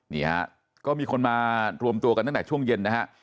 นี่ฮะก็มีคนมารวมตัวกันตั้งแต่ช่วงเย็นนะฮะ